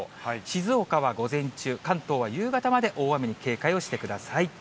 静岡は午前中、関東は夕方まで大雨に警戒をしてください。